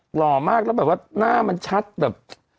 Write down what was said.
หล่อมากแล้วแบบว่าหน้ามันชัดแบบ